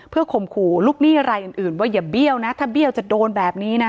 เพื่อข่มขู่ลูกหนี้รายอื่นว่าอย่าเบี้ยวนะถ้าเบี้ยวจะโดนแบบนี้นะ